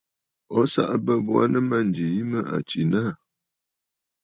O saꞌa bə̂ bo aa nɨ mânjì yìi mə à tsìnə aà.